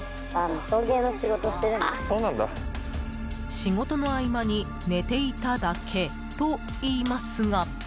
仕事の合間に寝ていただけと言いますが。